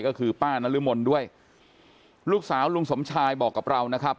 ก็คือป้านรมนด้วยลูกสาวลุงสมชายบอกกับเรานะครับ